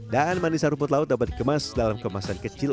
daan manisan rumput laut dapat dikemas dalam kemasan kecil